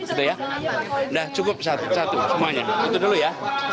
itu ya nah cukup satu satu semuanya itu dulu ya